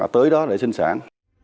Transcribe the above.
tới đó là sinh sản